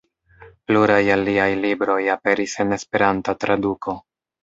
Pluraj el liaj libroj aperis en Esperanta traduko.